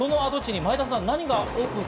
前田さん。